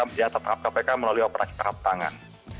menjaga tangkap kpk melalui operasi tangkap tangan